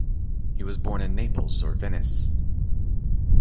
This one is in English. He was born in Naples or Venice.